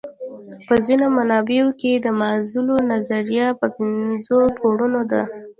په ځینو منابعو کې د مازلو نظریه پنځو پوړونو ده.